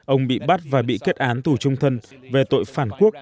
ông bị bắt và bị kết án tù trung thân về tội phản quốc